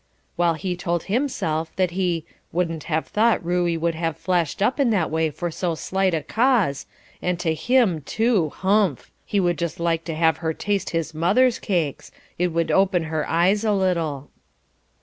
While he told himself that he "wouldn't have thought Ruey would have flashed up in that way for so slight a cause, and to him, too, humph! He would just like to have her taste his mother's cakes; it would open her eyes a little."